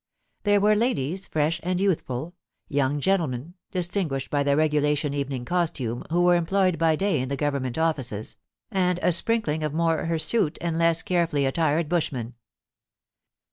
There were ladies, fresh and youthful ; young gentlemen, distinguished by their regulation evening costume, who were employed by day in the Government offices, and a sprinkling of more hirsute and less carefully attired bush men.